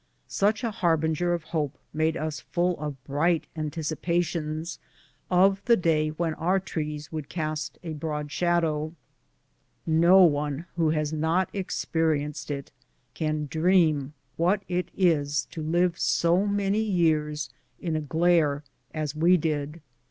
Such a harbinger of hope made us full of bright anticipations of the day when our trees would cast a broad shadow. 168 BOOTS AND SADDLES. No one wlio lias not experienced it can dream what it is to live so many years in a glare as we did.